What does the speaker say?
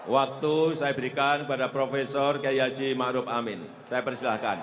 waktu saya berikan kepada prof gaya ji ma'ruf amin saya persilahkan